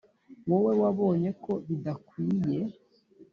wowe wabonye ko bidakwiye